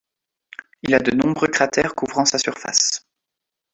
Il a de nombreux cratères couvrant sa surface.